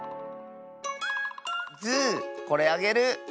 ズーこれあげる！